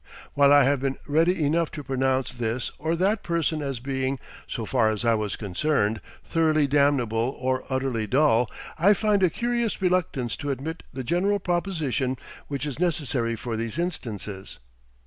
While I have been ready enough to pronounce this or that person as being, so far as I was concerned, thoroughly damnable or utterly dull, I find a curious reluctance to admit the general proposition which is necessary for these instances.